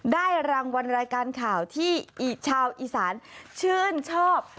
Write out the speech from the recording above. ได้รางวัลรายการข่าวที่ชาวอีสานชื่นชอบ